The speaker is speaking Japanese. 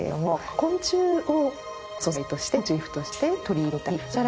昆虫を素材としてモチーフとして取り入れてみたり。